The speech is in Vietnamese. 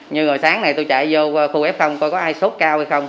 nhưng rồi sáng này tôi chạy vô khu f coi có ai sốt cao hay không